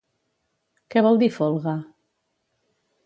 Què vol dir folga?